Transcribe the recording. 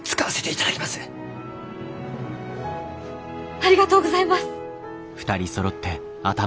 ありがとうございます！